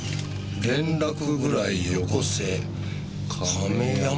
連絡ぐらいよこせ亀山」。